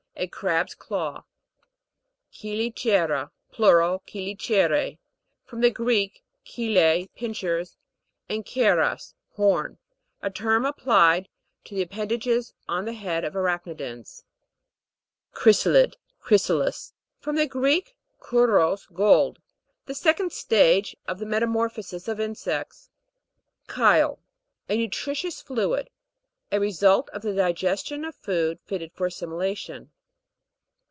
A crab's claw, CHELI'CERA, Plural, cheliceree. From the Greek, cheie, pincers, and keras, horn, A term applied to append ages on the head of arachnidans. }From the Greek, chru sos, gold. The second stage of the meta morphosis of insects. CHYLE (kite). A nutritious fluid, a result of the digestion of food, fitted for assimilation.